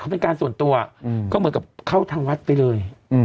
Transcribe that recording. เป็นการส่วนตัวก็เหมือนกับเข้าทางวัดไปเลย